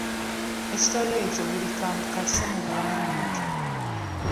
Ekitali ekyo, buli kantu kasse mu buwandiike.